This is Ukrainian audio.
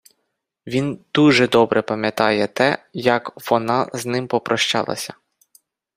він дуже добре пам'ятає те, як вона з ним попрощалася